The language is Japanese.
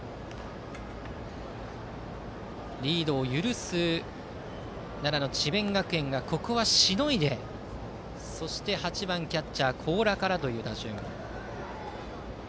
リードを許す奈良の智弁学園がここは、しのいでそして８番キャッチャー高良からという打順。